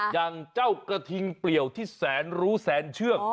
อย่างเจ้ากระทิงเปลี่ยวที่แสนรู้แสนเชื่อง